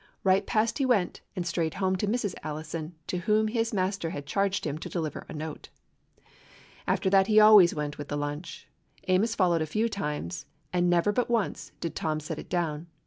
Right past he went, and straight home to Mrs. Allison, to whom his master had charged him to deliver a note. After that he always went with the lunch. Amos followed a few times, and never but once did Tom set it down.